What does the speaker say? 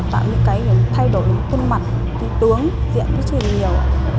những lớp ruồi hoặc là tạo những cái thay đổi khuôn mặt tư tướng diện thức truyền nhiều